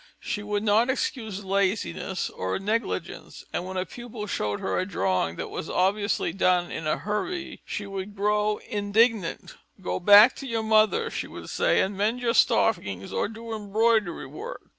She would not excuse laziness or negligence, and when a pupil showed her a drawing that was obviously done in a hurry she would grow indignant: "Go back to your mother," she would say, "and mend your stockings or do embroidery work."